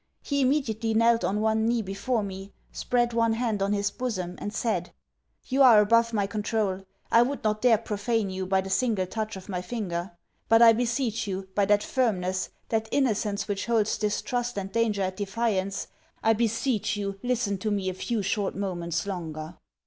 He immediately knelt on one knee before me; spread one hand on his bosom, and said 'You are above my controul. I would not dare profane you, by the single touch of my finger. But I beseech you, by that firmness, that innocence which holds distrust and danger at defiance, I beseech you listen to me a few short moments longer.'